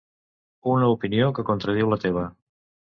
Una opinió que contradiu la teva.